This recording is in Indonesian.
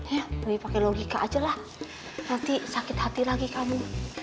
ya lebih pakai logika aja lah nanti sakit hati lagi kamu